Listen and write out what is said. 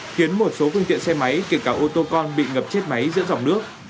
khiến một số phương tiện xe máy kể cả ô tô con bị ngập chết máy giữa dòng nước